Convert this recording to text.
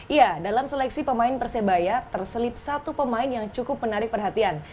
iya dalam seleksi pemain persebaya terselip satu pemain yang cukup menarik perhatian